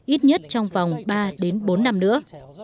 ít nhất trong vòng ba đến bốn năm nữa